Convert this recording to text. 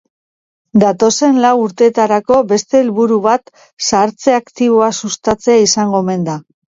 Datozen lau urteetarako beste helburu bat zahartze aktiboa sustatzea izango omen da.